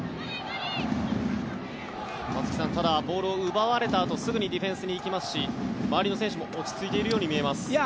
松木さん、ただボールを奪われたあとすぐにディフェンスに行きますし周りの選手も落ち着いているように見えます。